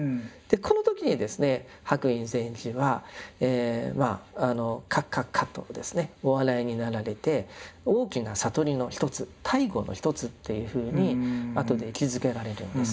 この時にですね白隠禅師はまあカッカッカとお笑いになられて大きな悟りのひとつ「大悟のひとつ」っていうふうにあとで位置づけられるんです。